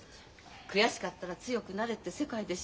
悔しかったら強くなれって世界でしょ。